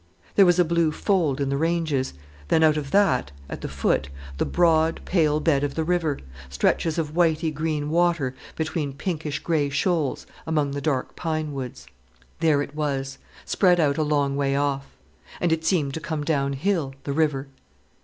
There was a blue fold in the ranges, then out of that, at the foot, the broad, pale bed of the river, stretches of whity green water between pinkish grey shoals among the dark pine woods. There it was, spread out a long way off. And it seemed to come downhill, the river.